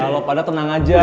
gak apa apa pada tenang aja